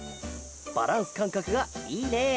バランスかんかくがいいね。